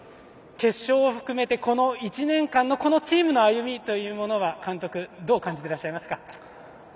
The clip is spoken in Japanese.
決勝を含めての、この１年間のこのチームの歩みというものは監督どう感じてらっしゃいますか。